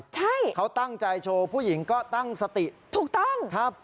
ใช่เขาตั้งใจโชว์ผู้หญิงก็ตั้งสติถูกต้องครับ